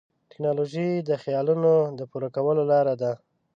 ټیکنالوژي د خیالونو د پوره کولو لاره ده.